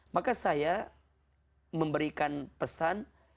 maka saya memberikan pesan